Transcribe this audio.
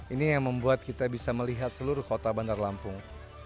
ini yang membuat kita bisa melihat seluruh kota bandar lampung